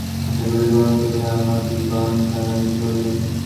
আশা করি গ্রহণ করিয়া আমাদিগকে আনন্দিত করিবেন।